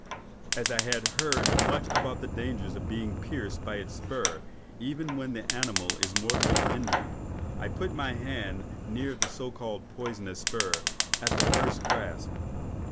As I had heard much about the danger of being pierced by its spur even when the animal is mortally injured, I put my hand near the so called poisonous spur at the first grasp.